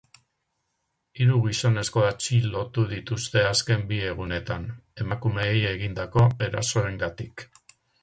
Hiru gizonezko atxilotu dituzte azken bi egunetan, emakumeei egindako erasoengatik.